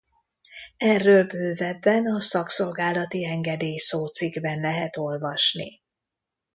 Erről bővebben a szakszolgálati engedély szócikkben lehet olvasni.